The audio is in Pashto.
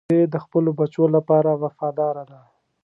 وزې د خپلو بچو لپاره وفاداره ده